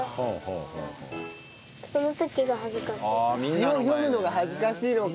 詩を読むのが恥ずかしいのか。